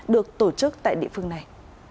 được tổ chức tại địa phương này